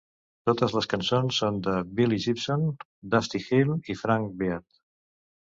Totes les cançons són de Billy Gibbons, Dusty Hill i Frank Beard.